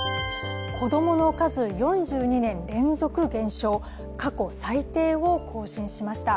子供の数、４２年連続減少、過去最低を更新しました。